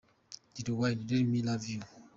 Lil Wayne – “Let Me Love You”.